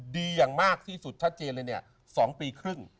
ดีอย่างมากที่สุดชัดเจนเลยเนี่ย๒ปีครึ่ง